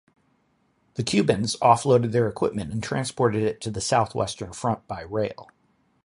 The Cubans offloaded their equipment and transported it to the southwestern front by rail.